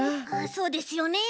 そうですよね。